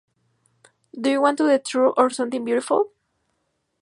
Do You Want the Truth or Something Beautiful?